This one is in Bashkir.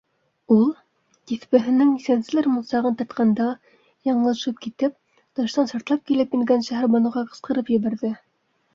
Ул, тиҫбеһенең нисәнселер мунсағын тартҡанда яңылышып китеп, тыштан шартлап килеп ингән Шәһәрбаныуға ҡысҡырып ебәрҙе.